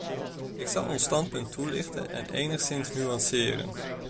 Ik zal ons standpunt toelichten en enigszins nuanceren.